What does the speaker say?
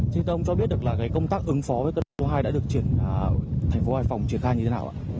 chúng tôi không cho biết được là công tác ứng phó với cơn bão số hai đã được tp hải phòng triển khai như thế nào ạ